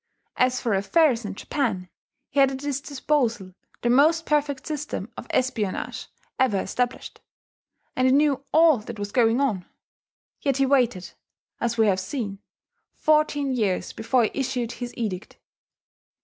As for affairs in Japan, he had at his disposal the most perfect system of espionage ever established; and he knew all that was going on. Yet he waited, as we have seen, fourteen years before he issued his edict.